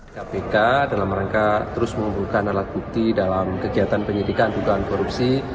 kpk dalam rangka terus mengumpulkan alat bukti dalam kegiatan penyidikan dugaan korupsi